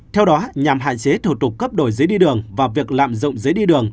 theo đó nhằm hạn chế thủ tục cấp đổi giấy đi đường và việc lạm dụng giấy đi đường